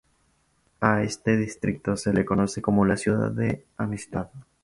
A este distrito se le conoce como la Ciudad de Amistad.